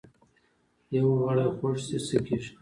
یو غړی خوږ شي څه کیږي؟